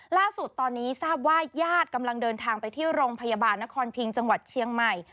ล่าสุดตอนนี้ทราบว่าญาติกำลังเดินทางไปที่โรงพยาบาลนครพิงจังหวัดเชียงใหม่